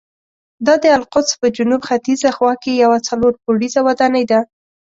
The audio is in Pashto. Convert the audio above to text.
دا د القدس په جنوب ختیځه خوا کې یوه څلور پوړیزه ودانۍ ده.